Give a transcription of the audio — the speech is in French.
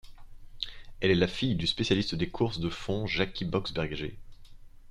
Elle est la fille du spécialiste des courses de fond Jacky Boxberger.